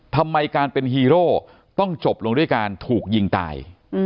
ทำไมการเป็นฮีโร่ต้องจบลงด้วยการถูกยิงตาย